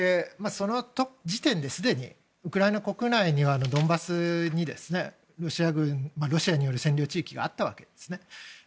その時点ですでにウクライナ国内のドンバスにロシアによる占領地域があったわけですね。